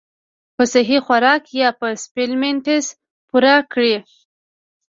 پۀ سهي خوراک يا پۀ سپليمنټس پوره کړي -